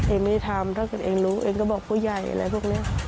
ไม่ทำถ้าเกิดเองรู้เองก็บอกผู้ใหญ่อะไรพวกนี้